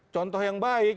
contoh yang baik